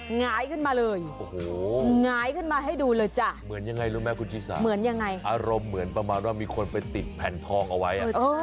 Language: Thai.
หงายขึ้นมาเลยหงายขึ้นมาให้ดูเลยจ้ะเหมือนยังไงล่ะแม่กุจิสาอารมณ์เหมือนประมาณว่ามีคนไปติดแผ่นทอกเอาไว้